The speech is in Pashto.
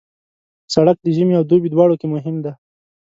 سړک د ژمي او دوبي دواړو کې مهم دی.